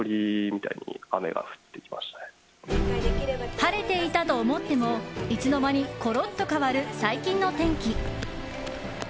晴れていたと思ってもいつの間にコロッと変わる最近の天気。